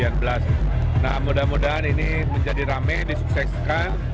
nah mudah mudahan ini menjadi rame disukseskan